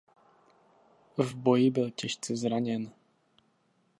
V boji byl těžce zraněn.